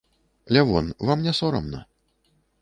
Лявон, вам не сорамна?